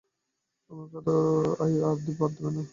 আমাকে আর বাদ দেবেন না।